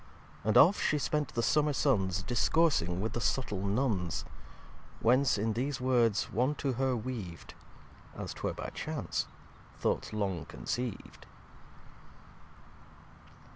And oft She spent the Summer Suns Discoursing with the Suttle Nunns. Whence in these Words one to her weav'd, (As 'twere by Chance) Thoughts long conceiv'd.